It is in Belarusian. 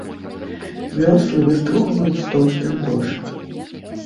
Вёслы выстругваюць з тоўстых дошак.